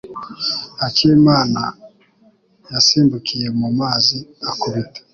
Akimana yasimbukiye mu mazi akubita.